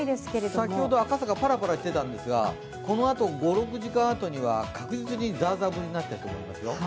先ほど赤坂、パラパラしていたんですが、このあと５６時間あとには確実にザーザー降りになっていると思いますよ。